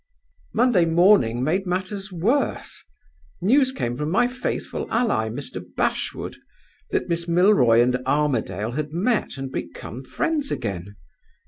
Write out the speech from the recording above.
"Monday morning made matters worse. News came from my faithful ally, Mr. Bashwood, that Miss Milroy and Armadale had met and become friends again.